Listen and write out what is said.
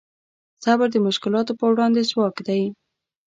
صبر د مشکلاتو په وړاندې ځواک دی.